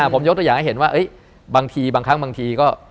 ผมยกตัวอย่างให้เห็นว่าบางทีบางครั้งบางทีก็